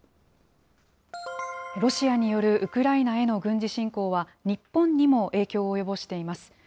ロシアによるウクライナへの軍事侵攻は、日本にも影響を及ぼしています。